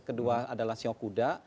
kedua adalah ceo kuda